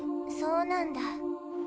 そうなんだ。